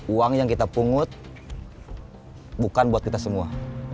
uang yang kita pungut bukan buat kita semua